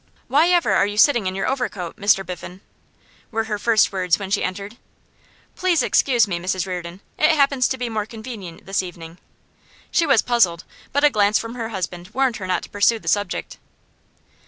'Why ever are you sitting in your overcoat, Mr Biffen?' were her first words when she entered. 'Please excuse me, Mrs Reardon. It happens to be more convenient this evening.' She was puzzled, but a glance from her husband warned her not to pursue the subject.